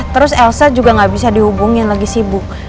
terus elsa juga nggak bisa dihubungin lagi sibuk